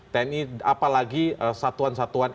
tni apalagi satuan satuan